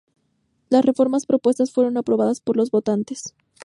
Las reformas propuestas fueron aprobadas por los votantes.